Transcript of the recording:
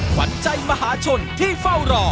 ขวัญใจมหาชนที่เฝ้ารอ